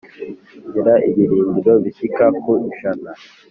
ngira ibirindiro bishyika ku ijana